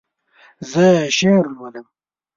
زه شعر لولم